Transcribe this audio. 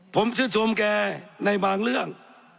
ผมชื่นชมแกในบางเรื่อง